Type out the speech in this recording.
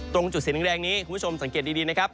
ตรงจุดสีแดงนี้คุณผู้ชมสังเกตดีนะครับ